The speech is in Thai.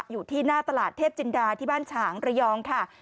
อยู่ที่หน้าตลาดเทพจินดาที่บ้านฉางระยองค่ะ